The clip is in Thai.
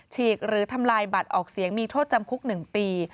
ฉีกหรือทำลายบัตรออกเสียงมีโทษจำคุก๑ปี